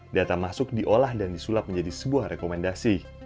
data masuk diolah dan disulap menjadi sebuah rekomendasi